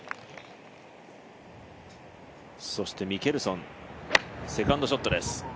そしてミケルソン、セカンドショットです。